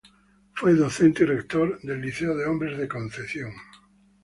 Fue docente y rector del Liceo de Hombres de Concepción.